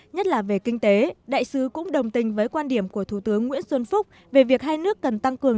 nhất là về kinh tế đại sứ cũng đồng tình với quan điểm của thủ tướng nguyễn xuân phúc về việc hai nước cần tăng cường